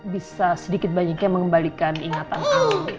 bisa sedikit banyaknya mengembalikan ingatan kami